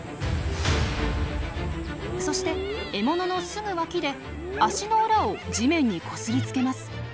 そして獲物のすぐ脇で足の裏を地面にこすりつけます。